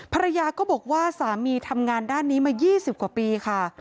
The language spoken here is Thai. ภรรยาก็บอกว่าสามีทำงานด้านนี้มา๒๐กว่าปีค่ะ